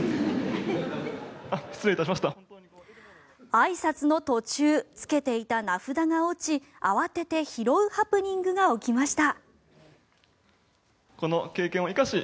あいさつの途中つけていた名札が落ち慌てて拾うハプニングが起きました。